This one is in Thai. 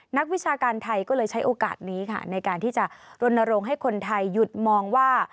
นักวิชาการไทยก็เลยใช้โอกาสนี้ค่ะในการที่จะรณรงค์ให้คนไทยหยุดมองว่า